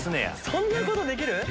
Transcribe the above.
そんなことできる？